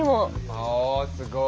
あすごい。